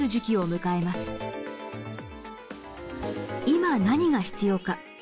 今何が必要か。